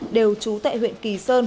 đều trú tại huyện kỳ sở